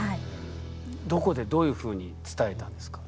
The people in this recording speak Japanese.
どこでどういうふうに伝えたんですか？